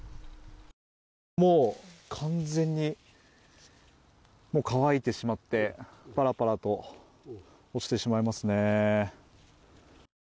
もう完全に乾いてしまってパラパラと落ちてしまいますね。